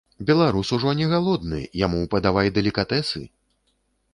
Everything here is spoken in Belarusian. Беларус ужо не галодны, яму падавай далікатэсы!